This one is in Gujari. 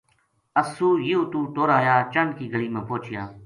اَسو یہ اُتو ٹُر آیاچَنڈ کی گلی ما پوہچیا